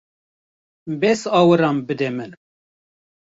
Bes awiran bide min.